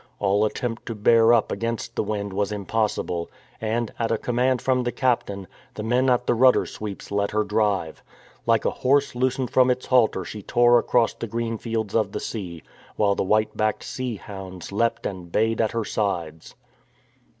All attempt to bear up against the wind was impossible; and, at a command from the captain, the men at the rudder sweeps let her drive. Like a horse loosened from its halter she tore across the green fields of the sea, while the white backed sea hounds leapt and bayed at her sides.